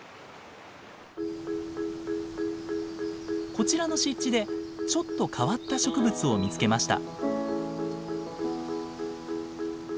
こちらの湿地でちょっと変わった植物を見つけました。